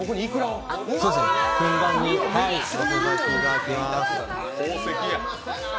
ふんだんにのせさせていただきます。